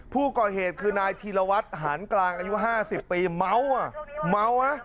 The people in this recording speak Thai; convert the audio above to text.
ผู้ก่อเหตุคือนายธีรวัตรหารกลางอายุ๕๐ปีเมาอ่ะเมานะ